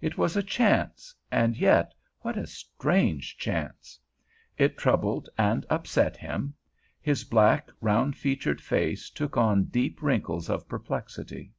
It was a chance, and yet, what a strange chance! It troubled and upset him. His black, round featured face took on deep wrinkles of perplexity.